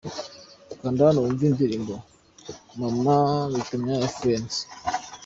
Kanda hano wumve indirimbo Mama Bitama ya The Friends.